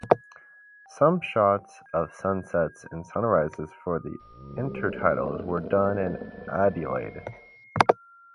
Some shots of sunsets and sunrises for the inter titles were done in Adelaide.